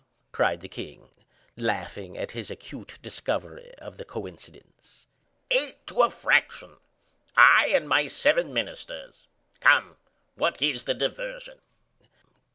cried the king, laughing at his acute discovery of the coincidence; "eight to a fraction—I and my seven ministers. Come! what is the diversion?"